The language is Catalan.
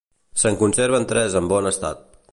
Se'n conserven tres en bon estat.